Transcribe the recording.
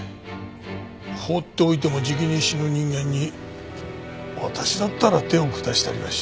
放っておいてもじきに死ぬ人間に私だったら手を下したりはしない。